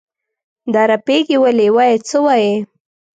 دا رپېږې ولې؟ وایه څه وایې؟